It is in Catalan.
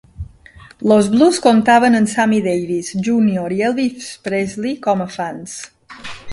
Los Blues comptaven amb Sammy Davis, Junior i Elvis Presley com a fans.